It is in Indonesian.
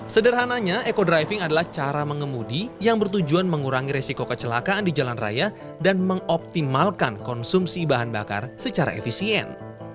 sederhananya eco driving adalah cara mengemudi yang bertujuan mengurangi resiko kecelakaan di jalan raya dan mengoptimalkan konsumsi bahan bakar secara efisien